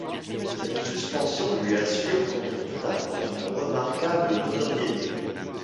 Cette suspension lui assure contre toute attente une remarquable notorité.